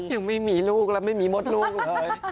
ยังไม่มีลูกแล้วไม่มีมดลูกเลย